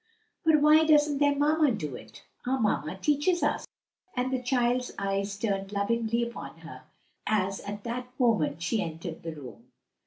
"But why doesn't their mamma do it? Our mamma teaches us;" and the child's eyes turned lovingly upon her as at that moment she entered the room.